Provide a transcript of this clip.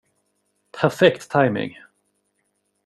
Perfekt timing!